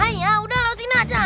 ah iya sudah sini aja